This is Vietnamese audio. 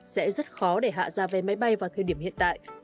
sẽ rất khó để hạ ra vé máy bay vào thời điểm hiện tại